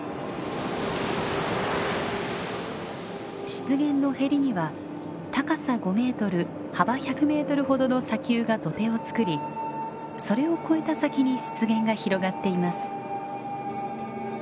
湿原のへりには高さ５メートル幅１００メートルほどの砂丘が土手をつくりそれを越えた先に湿原が広がっています。